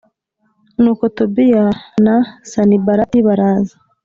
n uko Tobiya na Sanibalati baraza